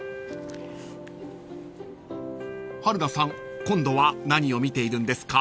［春菜さん今度は何を見ているんですか？］